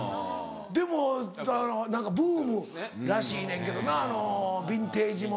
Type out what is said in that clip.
でも何かブームらしいねんけどなビンテージ物。